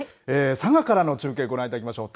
佐賀からの中継、ご覧いただきましょう。